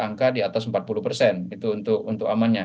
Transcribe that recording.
angka di atas empat puluh untuk amannya